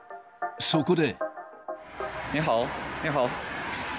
そこで。